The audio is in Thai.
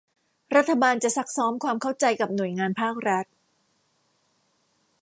รัฐบาลจะซักซ้อมความเข้าใจกับหน่วยงานภาครัฐ